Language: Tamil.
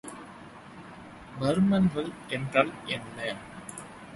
பருமன்கள் என்றால் என்ன?